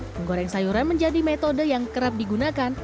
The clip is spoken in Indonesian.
menggoreng sayuran menjadi metode yang kerap digunakan